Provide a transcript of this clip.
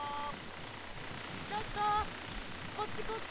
ちょっとこっちこっち！